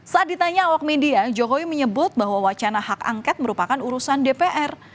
saat ditanya awak media jokowi menyebut bahwa wacana hak angket merupakan urusan dpr